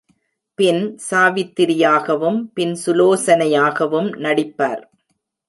பின் சாவித்திரியாகவும், பின் சுலோசனையாகவும் நடிப்பார்.